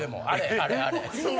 あれあれ。